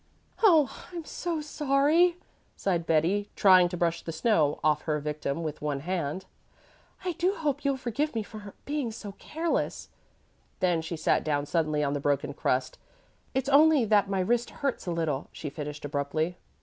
"Oh, I'm so sorry!" sighed Betty, trying to brush the snow off her victim with one hand. "I do hope you'll forgive me for being so careless." Then she sat down suddenly on the broken crust. "It's only that my wrist hurts a little," she finished abruptly.